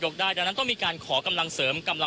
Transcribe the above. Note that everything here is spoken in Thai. คุณทัศนาควดทองเลยค่ะ